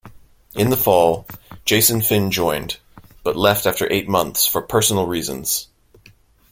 In the fall, Jason Finn joined, but left after eight months for personal reasons.